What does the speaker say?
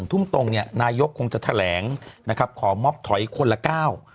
ทุ่มตรงนายกคงจะแถลงขอมอบถอยคนละก้าว